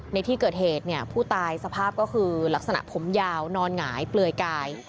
ในที่เกิดเหตุเนี่ยผู้ตายสภาพก็คือลักษณะผมยาวนอนหงายเปลือยกาย